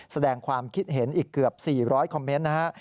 แสดงความคิดเห็นอีกเกือบ๔๐๐คอมเมนต์นะฮะ